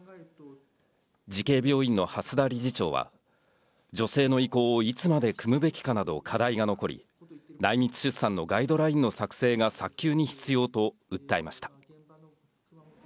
慈恵病院の蓮田理事長は、女性の意向をいつまでくむべきかなど課題が残り、内密出産のガイドラインの作成が早急に必要と訴えました。